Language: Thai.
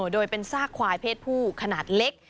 โดยเป็นซากควายเพศผู้ขนาดเล็ก